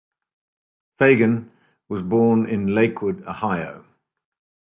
Feighan was born in Lakewood, Ohio.